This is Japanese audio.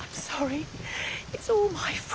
そう？